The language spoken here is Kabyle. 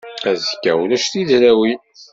Azekka ulac tizrawin.